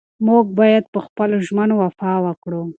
موږ باید په خپلو ژمنو وفا وکړو.